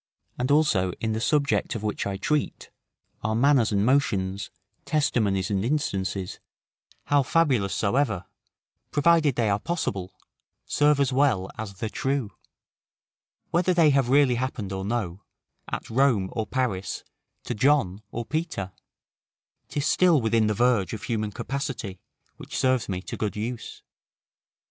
And, also, in the subject of which I treat, our manners and motions, testimonies and instances; how fabulous soever, provided they are possible, serve as well as the true; whether they have really happened or no, at Rome or Paris, to John or Peter, 'tis still within the verge of human capacity, which serves me to good use.